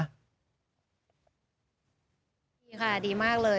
นี่ค่ะดีมากเลย